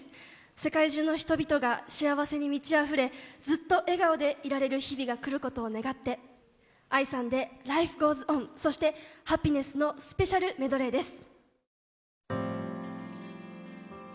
世界中の人々が幸せに満ちあふれずっと笑顔でいられる日々が来ることを願ってＡＩさんで「ＬｉｆｅＧｏｅｓＯｎ」そして「ハピネス」のスペシャルメドレーです。